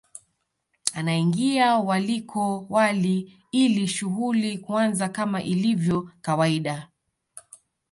Anaingia waliko wali ili shughuli kuanza kama ilivyo kawaida